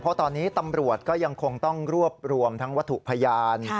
เพราะตอนนี้ตำรวจก็ยังคงต้องรวบรวมทั้งวัตถุพยาน